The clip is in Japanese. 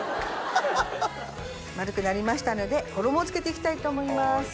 丸くなりましたので衣を付けていきたいと思います。